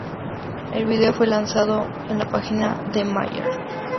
El vídeo fue lanzado en la página de Mayer.